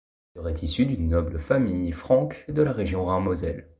Il serait issu d'une noble famille franque de la région Rhin-Moselle.